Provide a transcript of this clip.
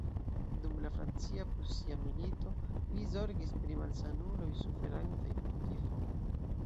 Dum la Francia-Prusia Milito li zorgis pri malsanuloj suferantaj pro tifo.